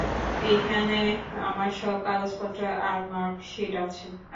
এইখানে আমার সব কাগজপত্র, আর মার্কশীট আছে।